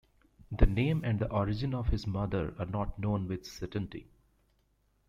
The name and the origin of his mother are not known with certainty.